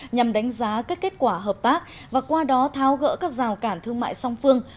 nhằm đánh giá các kết quả hợp tác và qua đó tháo gỡ các rào cản thương mại song phương